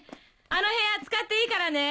あの部屋使っていいからね。